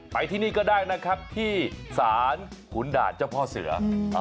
ไปที่นี่ก็ได้นะครับที่ศาลขุนด่านเจ้าพ่อเสือ